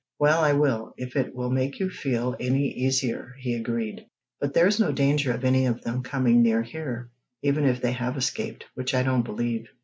"Well, I will, if it will make you feel any easier," he agreed. "But there's no danger of any of them coming near here, even if they have escaped, which I don't believe."